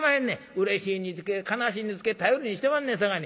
うれしいにつけ悲しいにつけ頼りにしてまんねんさかいに。